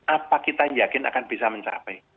apa kita yang yakin akan bisa mencapai